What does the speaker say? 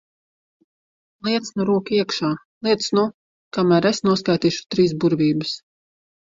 Liec nu roku iekšā, liec nu! Kamēr es noskaitīšu trīs burvības.